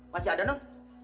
masih ada non